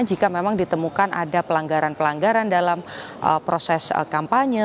jika memang ditemukan ada pelanggaran pelanggaran dalam proses kampanye